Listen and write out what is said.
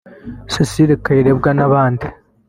Cecile Kayirebwa n’abandi